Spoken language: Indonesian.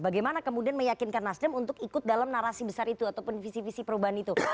bagaimana kemudian meyakinkan nasdem untuk ikut dalam narasi besar itu ataupun visi visi perubahan itu